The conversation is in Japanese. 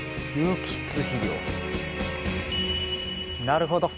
なるほど！